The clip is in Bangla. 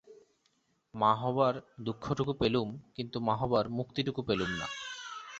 মা হবার দুঃখটুকু পেলুম কিন্তু মা হবার মুক্তিটুকু পেলুম না।